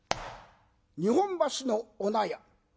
日本橋のお納屋。